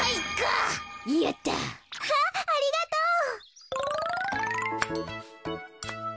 わあありがとう。